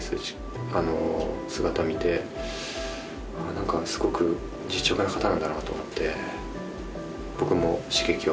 何かすごく実直な方なんだなと思って。